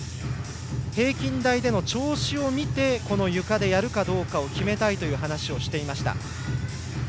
平均台での調子を見てゆかでやるかどうかを決めたいという話をしていました。